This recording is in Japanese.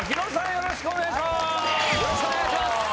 よろしくお願いします。